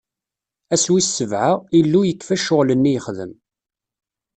Ass wis sebɛa, Illu yekfa ccɣwel-nni yexdem.